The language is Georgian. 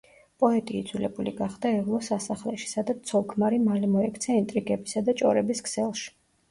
პოეტი იძულებული გახდა ევლო სასახლეში, სადაც ცოლ-ქმარი მალე მოექცა ინტრიგებისა და ჭორების ქსელში.